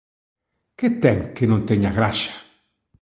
Que ten que non teña graxa?